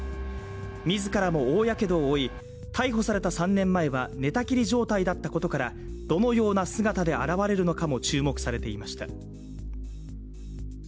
自らも大やけどを負い逮捕された３年前は寝たきり状態だったことからどのような姿で現れるのかも注目されていました。